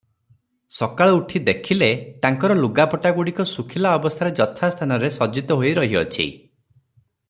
ସକାଳୁ ଉଠି ଦେଖିଲେ, ତାଙ୍କର ଲୁଗାପଟା ଗୁଡ଼ିକ ଶୁଖିଲା ଅବସ୍ଥାରେ ଯଥା ସ୍ଥାନରେ ସଜ୍ଜିତ ହୋଇ ରହିଅଛି ।